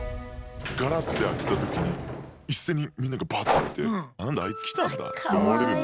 ガラッて開けた時に一斉にみんながバッと見て何だあいつ来たんだってかわいいね。